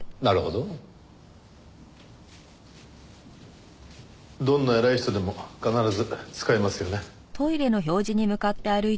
どんな偉い人でも必ず使いますよね。